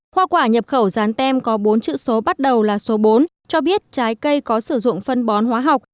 hoa quả nhập khẩu rán tem có bốn chữ số bắt đầu là số bốn cho biết trái cây có sử dụng phân bón hóa học